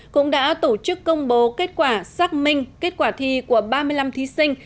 cũng đã tổ chức công bố kết quả xác minh kết quả thi của ba mươi năm thí sinh